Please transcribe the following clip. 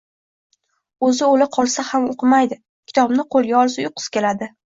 O‘zi o‘la qolsa ham o‘qimaydi, kitobni qo‘lga olsa uyqusi keladi